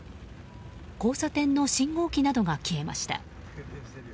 交差点の信号機などが消えました。